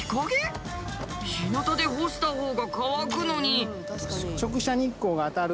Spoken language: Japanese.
ひなたで干したほうが乾くのに。